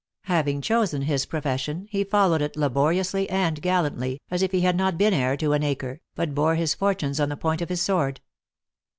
Having chosen his profession, he followed it laboriously and gallantly, as if he had not been heir to an acre but bore his fortunes on the point of his sword.